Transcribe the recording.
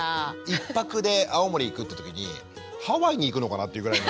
１泊で青森行くって時にハワイに行くのかなっていうぐらいの。